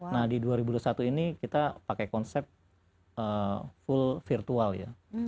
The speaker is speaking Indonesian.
nah di dua ribu dua puluh satu ini kita pakai konsep full virtual ya